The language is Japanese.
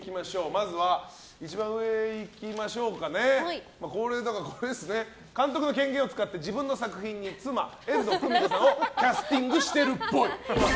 まずは一番上監督の権限を使って自分の作品に妻・遠藤久美子さんをキャスティングしてるっぽい。